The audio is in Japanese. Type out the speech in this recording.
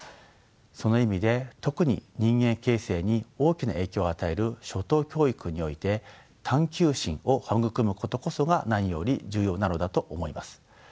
その意味で特に人間形成に大きな影響を与える初等教育において探究心を育むことこそが何より重要なのだと思います。